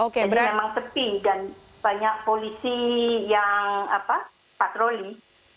jadi memang sepi dan banyak polisi yang patroli